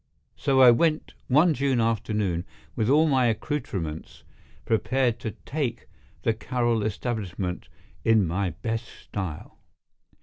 So I went one June afternoon, with all my accoutrements, prepared to "take" the Carroll establishment in my best style.